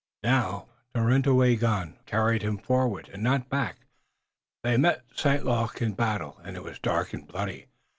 Now, Tarenyawagon carried him forward and not back. They met St. Luc in battle, and it was dark and bloody.